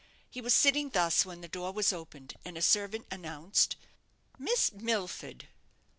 He was sitting thus when the door was opened, and a servant announced "Miss Milford!"